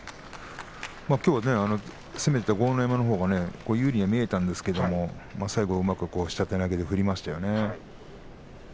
きょう攻めた豪ノ山のほうが有利に見えたんですが最後うまく下手投げで振りましたよね。